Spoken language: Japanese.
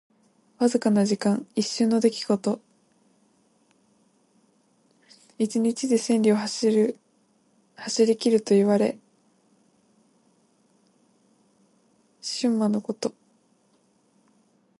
わずかな時間。一瞬の出来事。「騏驥」は一日で千里を走りきるといわれる駿馬のこと。「過隙」は戸の隙間の向こう側をかけぬける意。